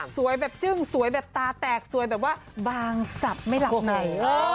แบบจึ้งสวยแบบตาแตกสวยแบบว่าบางสับไม่หลับใน